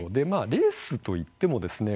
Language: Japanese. レースといってもですね